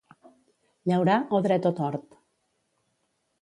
Llaurar, o dret o tort.